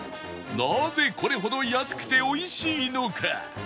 なぜこれほど安くて美味しいのか？